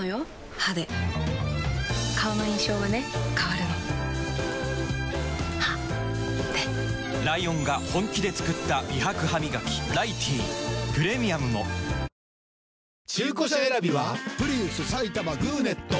歯で顔の印象はね変わるの歯でライオンが本気で作った美白ハミガキ「ライティー」プレミアムも血圧はちゃんとチェック！